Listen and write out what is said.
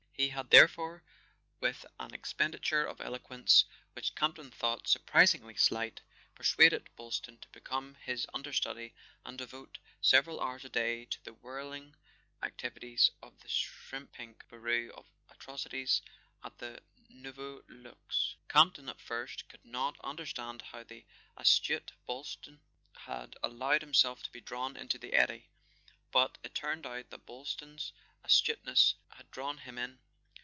He had therefore, with an expenditure of eloquence which Campton thought surprisingly slight, persuaded Boyl ston to become his understudy, and devote several hours a day to the whirling activities of the shrimp pink Bureau of Atrocities at the Nouveau Luxe. Camp¬ ton, at first, could not understand how the astute Boylston had allowed himself to be drawn into the eddy; but it turned out that Boylston's astuteness had drawn him in.